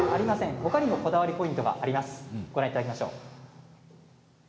ほかにもこだわりポイントがあります。